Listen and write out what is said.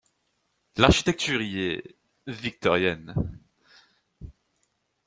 L'architecture y est victorienne.